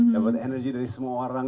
dapat energi dari semua orang